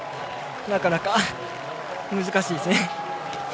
なかなか難しいですね。